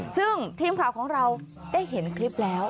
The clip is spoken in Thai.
ซึ่งทีมข่าวของเราได้เห็นคลิปแล้ว